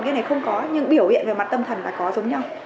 cái này không có nhưng biểu hiện về mặt tâm thần và có giống nhau